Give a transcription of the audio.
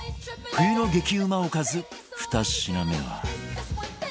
冬の激うまおかず２品目は